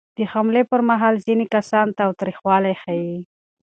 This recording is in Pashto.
د حملې پر مهال ځینې کسان تاوتریخوالی ښيي.